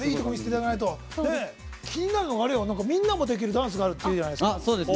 気になるのはみんなもできるダンスがあるっていうじゃないですか。